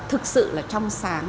thực sự là trong sáng